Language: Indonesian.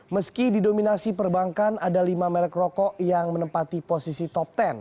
meski didominasi perbankan ada lima merek rokok yang menempati posisi top sepuluh